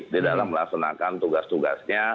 di dalam melaksanakan tugas tugasnya